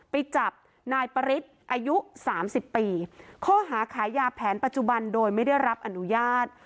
ไปจับนายปริศอายุสามสิบปีข้อหาขายยาแผนปัจจุบันโดยไม่ได้รับอนุญาต